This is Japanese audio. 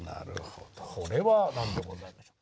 これは何でございましょう？